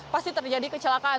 pasti terjadi kecelakaan